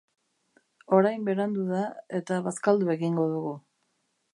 Orain berandu da eta bazkaldu egingo dugu.